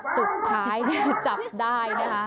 สุดท้ายเนี่ยจับได้นะคะ